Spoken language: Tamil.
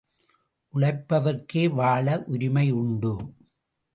உழைப்பவர்க்கே வாழ உரிமை உண்டு.